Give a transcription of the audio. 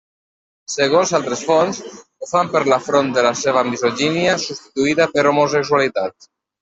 Segons altres fonts, ho fan per l'afront de la seva misogínia, substituïda per homosexualitat.